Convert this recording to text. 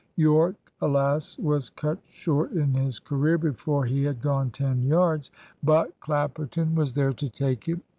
Yorke, alas, was cut short in his career before he had gone ten yards, but Clapperton was there to take it.